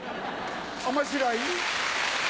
面白い？